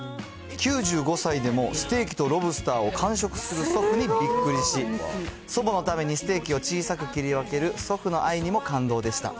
９５歳でもステーキとロブスターを完食する祖父にびっくりし、祖母のためにステーキを小さく切り分ける祖父の愛にも感動でした。